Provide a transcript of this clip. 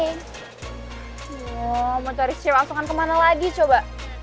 ayo mau cari si ciri langsungan kemana lagi coba